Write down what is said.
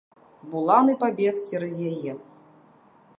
Буланы пабег цераз яе.